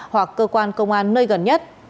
hoặc cơ quan công an nơi gần nhất